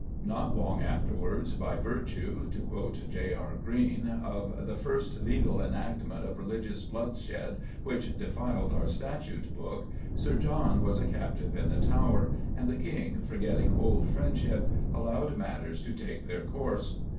Not long afterwards, by virtue (to quote J. R. Green), of "the first legal enactment of religious bloodshed which defiled our Statute Book," Sir John was a captive in the Tower, and the King, forgetting old friendship, allowed matters to take their course.